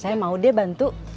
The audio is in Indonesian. saya mau deh bantu